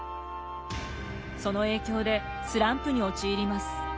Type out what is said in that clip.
その影響でスランプに陥ります。